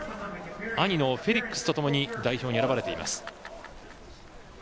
兄のフェリックスと共に代表に選ばれています。